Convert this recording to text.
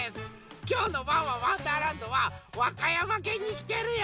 きょうの「ワンワンわんだーらんど」は和歌山県にきてるよ！